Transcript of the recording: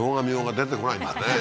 出てこないんだね